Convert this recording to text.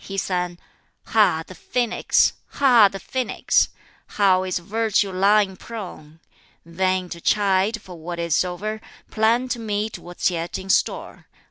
He sang "Ha, the phoenix! Ha, the phoenix! How is Virtue lying prone! Vain to chide for what is o'er, Plan to meet what's yet in store.